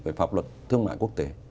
về pháp luật thương mại quốc tế